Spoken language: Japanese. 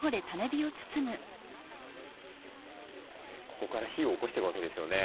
ここから火をおこしていくわけですよね。